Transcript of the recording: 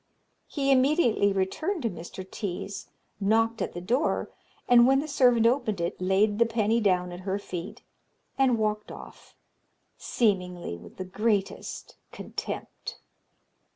He immediately returned to Mr. T 's, knocked at the door, and when the servant opened it, laid the penny down at her feet, and walked off, seemingly with the greatest contempt.